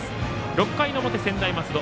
６回の表、専大松戸。